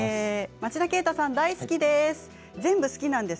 町田啓太さん大好きです。